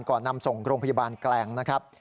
ก่อนนำส่งโรงพยาบาลแกลงนะครับ